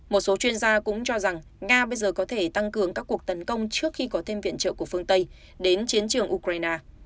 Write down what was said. một số chuyên gia cũng cho rằng nga bây giờ có thể tăng cường các cuộc tấn công trước khi có thêm viện trợ của phương tây đến chiến trường ukraine